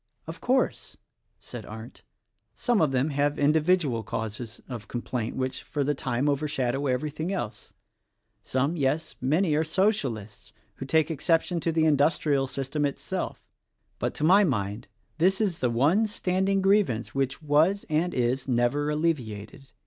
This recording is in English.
"Of course," said Arndt, "some of them have indi vidual causes of complaint, which, for the time, over shadow everything else. Some, yes, many, are Socialists who take exception to the industrial system itself. But to my mind this is the one standing grievance which was and is never alleviated.